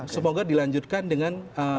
semoga dilanjutkan dengan